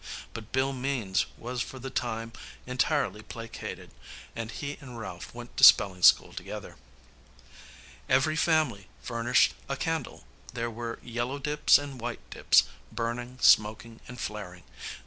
But Bill Means was for the time entirely placated, and he and Ralph went to spelling school together. Every family furnished a candle. There were yellow dips and white dips, burning, smoking, and flaring.